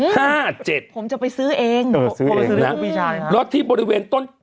ห้าเจ็ดผมจะไปซื้อเองเออซื้อไปซื้อนะรถที่บริเวณต้น